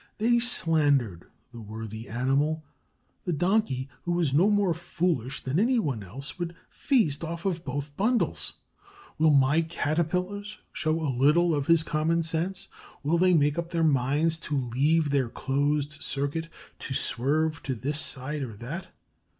They slandered the worthy animal. The Donkey, who is no more foolish than any one else, would feast off both bundles. Will my Caterpillars show a little of his common sense? Will they make up their minds to leave their closed circuit, to swerve to this side or that?